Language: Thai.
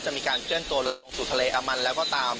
มีการเคลื่อนตัวลงสู่ทะเลอามันแล้วก็ตาม